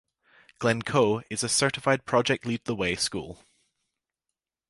Glencoe is a certified Project Lead The Way school.